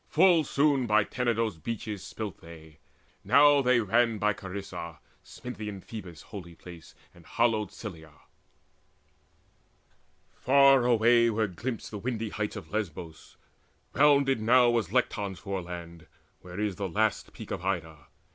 Full soon By Tenedos' beaches slipt they: now they ran By Chrysa, Sminthian Phoebus' holy place, And hallowed Cilla. Far away were glimpsed The windy heights of Lesbos. Rounded now Was Lecton's foreland, where is the last peak Of Ida.